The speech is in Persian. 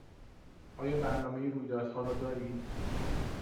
آیا برنامه رویدادها را دارید؟